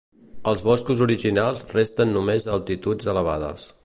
Els boscos originals resten només a altituds elevades.